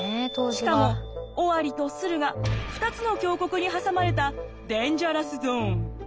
しかも尾張と駿河２つの強国に挟まれたデンジャラスゾーン。